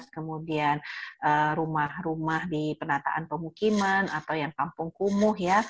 kemudian rumah rumah di penataan pemukiman atau yang kampung kumuh ya